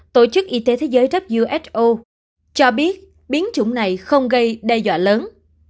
tổ chức y tế thế giới who cho biết biến chủng này không gây đe dọa lớn